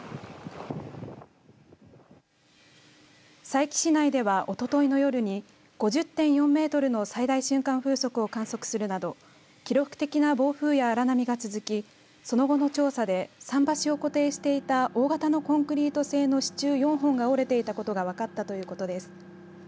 佐伯市内では、おとといの夜に５０．４メートルの最大瞬間風速を観測するなど記録的の暴風や荒波が続きその後の調査で桟橋を固定していた大型のコンクリート製の支柱４本が折れていたことが分かったということです。